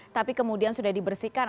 tapi kemudian sudah dibersihkan